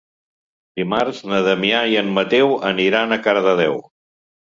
Dimarts na Damià i en Mateu aniran a Cardedeu.